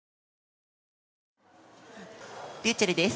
ｒｙｕｃｈｅｌｌです。